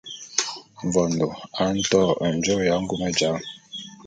Mvondo a nto njôô ya ngume jal.